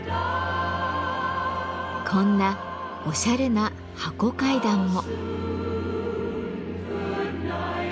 こんなおしゃれな「箱階段」も。